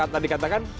tadi katakan pak anies